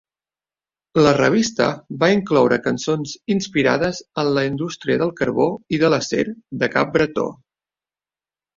La revista va incloure cançons inspirades en la indústria del carbó i de l'acer de Cap Bretó.